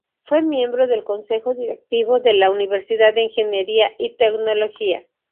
Fue miembro del Consejo Directivo de la Universidad de Ingeniería y Tecnología.